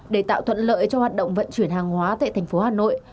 để tạo thuận lợi cho hoạt động vận chuyển hàng hóa tại thành phố hà nội